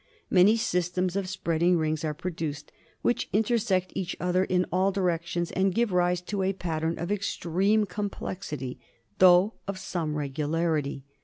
Many systems of spreading rings are produced, which intersect each other in all directions and give rise to a pattern of extreme complexity, though of some regularity.